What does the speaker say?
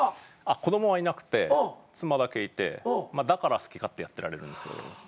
子供はいなくて妻だけいてだから好き勝手やってられるんですけど。